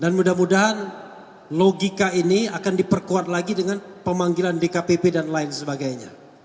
dan mudah mudahan logika ini akan diperkuat lagi dengan pemanggilan dkpp dan lain sebagainya